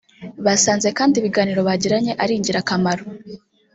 Basanze kandi ibiganiro bagiranye ari ingirakamaro